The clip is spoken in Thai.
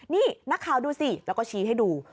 นี่นักข่าวดูสิแล้วก็ชี้ให้ดู